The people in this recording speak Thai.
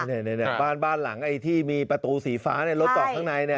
นี่บ้านหลังที่มีประตูสีฟ้ารถตอบข้างในเนี่ย